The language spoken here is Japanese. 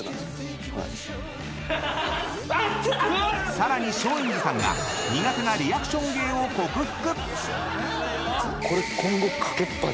［さらに松陰寺さんが苦手なリアクション芸を克服⁉］